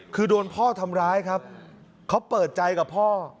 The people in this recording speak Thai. คือโดนพ่อทำร้ายครับเขาเปิดใจกับพ่อ